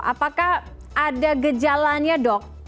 apakah ada gejalannya dok